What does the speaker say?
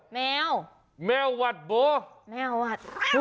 เฮ้ยมันตอบว่า